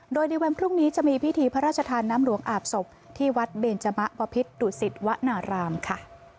โดยในวันพรุ่งนี้จะมีพิธีพระราชทานน้ำหลวงอาบศพที่วัดเบนจมะบพิษดุสิตวนารามค่ะ